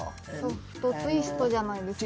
ソフトツイストじゃないですか？